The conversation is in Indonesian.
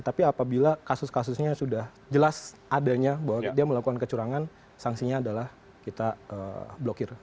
tapi apabila kasus kasusnya sudah jelas adanya bahwa dia melakukan kecurangan sanksinya adalah kita blokir